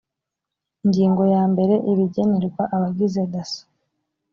ingingo ya mbere ibigenerwa abagize dasso